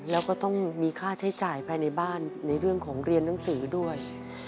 แล้วก็ต้องมีค่าใช้จ่ายภายในบ้านในเรื่องของเรียนหนังสือด้วย